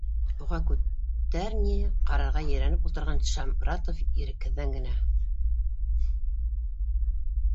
Уға күтә- р ни ҡарарға ерәнеп ултырған Шамратов, ирекһеҙҙән генә